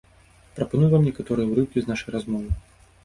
Прапаную вам некаторыя урыўкі з нашай размовы.